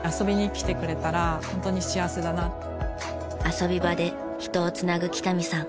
遊び場で人をつなぐ北見さん。